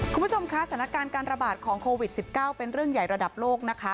คุณผู้ชมคะสถานการณ์การระบาดของโควิด๑๙เป็นเรื่องใหญ่ระดับโลกนะคะ